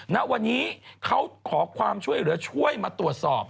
ณวันนี้เขาขอความช่วยเหลือช่วยมาตรวจสอบ